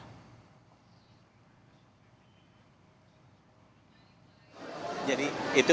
jadi ini adalah peraturan yang diperlukan oleh bapak ibu